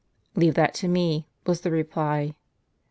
" "Leave that to me," was the reply.